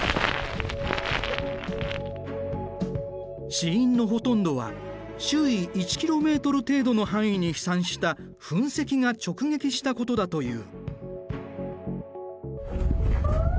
死因のほとんどは周囲１ｋｍ程度の範囲に飛散した噴石が直撃したことだという。